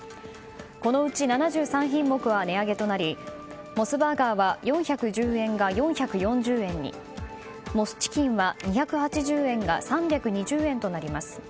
このうち７３品目は値上げとなりモスバーガーは４１０円が４４０円にモスチキンは２８０円が３２０円となります。